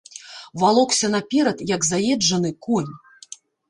Валокся наперад, як заезджаны конь.